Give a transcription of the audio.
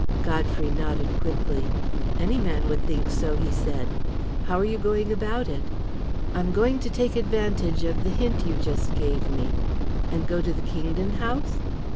Godfrey nodded quickly. "Any man would think so," he said. "How are you going about it?" "I'm going to take advantage of the hint you just gave me." "And go to the Kingdon house?"